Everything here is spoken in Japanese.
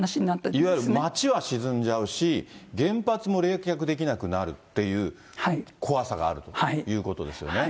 いわゆる街は沈んじゃうし、原発も冷却できなくなるという怖さがあるということですよね。